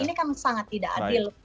ini kan sangat tidak adil